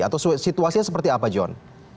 atau situasinya seperti apa john